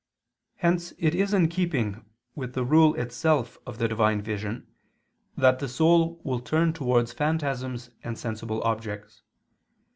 Hence it is in keeping with the rule itself of the divine vision that the soul will turn towards phantasms and sensible objects.